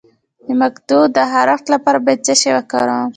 د مقعد د خارښ لپاره باید څه شی وکاروم؟